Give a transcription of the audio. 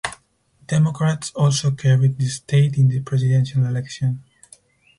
Democrats also carried the state in the presidential election.